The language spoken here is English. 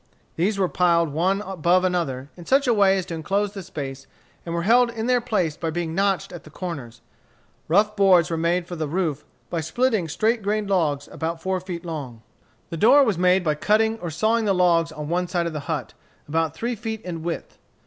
These were piled one above another, in such a way as to enclose the space, and were held in their place by being notched at the corners. Rough boards were made for the roof by splitting straight grained logs about four feet long. The door was made by cutting or sawing the logs on one side of the hut, about three feet in width.